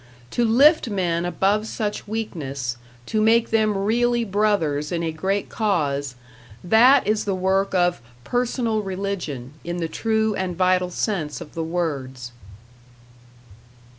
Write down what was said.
To lift men above such weakness, to make them really brothers in a great cause that is the work of "personal religion" in the true and vital sense of the words.